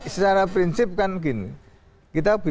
secara prinsip kan begini